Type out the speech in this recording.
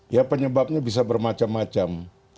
ya penyebabnya bisa bermacam macam